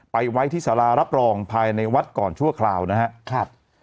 ไว้ที่สารารับรองภายในวัดก่อนชั่วคราวนะครับ